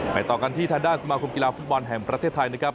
ต่อกันที่ทางด้านสมาคมกีฬาฟุตบอลแห่งประเทศไทยนะครับ